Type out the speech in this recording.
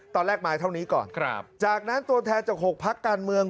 ตอนแรกมาเท่านี้ก่อนครับจากนั้นตัวแทนจาก๖พักการเมือง